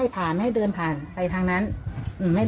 แต่ทางบ้านเขาอยู่แล้ว